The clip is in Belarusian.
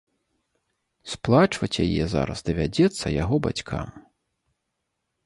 Сплачваць яе зараз давядзецца яго бацькам.